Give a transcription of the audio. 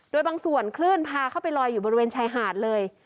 โดยบางส่วนคลื่นพาเข้าไปลอยอยู่บริเวณชายหาดเลย